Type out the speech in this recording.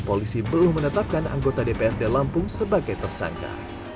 polisi belum menetapkan anggota dprd lampung sebagai tersangka